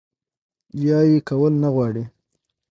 يا ئې کول نۀ غواړي